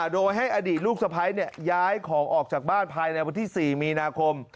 โดยให้อดีตลูกสะพ้ายย้ายของออกจากบ้านภายในวันที่๔มีนาคม